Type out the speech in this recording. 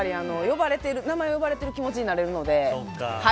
名前呼ばれている気持ちになるので。